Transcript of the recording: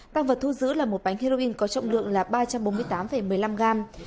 tăng vật thu giữ là một bánh heroin có trọng lượng là ba trăm bốn mươi tám một mươi năm gram